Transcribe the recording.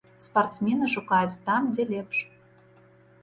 Спартсмены шукаюць там, дзе лепш.